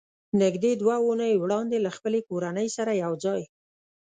نږدې دوه اوونۍ وړاندې له خپلې کورنۍ سره یو ځای